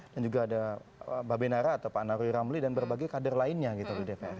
dan juga ada mbak benara atau pak naruy ramli dan berbagai kader lainnya gitu di dpr